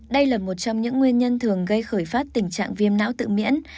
đây là một trong những nguyên nhân thường gây khởi phát tình trạng viêm não tự miễn